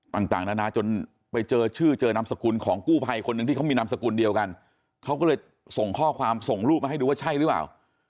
ต่างนานาจนไปเจอชื่อเจอนามสกุลของกู้ภัยคนหนึ่งที่เขามีนามสกุลเดียวกันเขาก็เลยส่งข้อความส่งรูปมาให้ดูว่าใช่หรือเปล่า